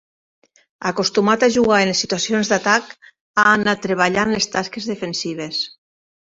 Acostumat a jugar en les situacions d'atac, ha anat treballant les tasques defensives.